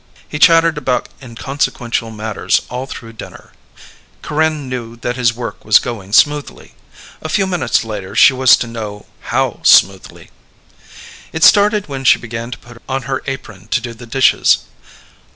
He chattered about inconsequential matters all through dinner. Corinne knew that his work was going smoothly. A few minutes later she was to know how smoothly. It started when she began to put on her apron to do the dishes.